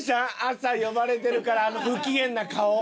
朝呼ばれてるからあの不機嫌な顔。